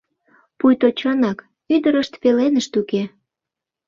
Пуйто чынак, ӱдырышт пеленышт уке.